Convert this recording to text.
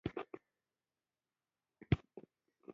کدو ولې لوی وي؟